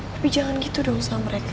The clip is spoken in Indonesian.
tapi jangan gitu dong usaha mereka